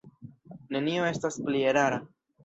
Nenio estas pli erara.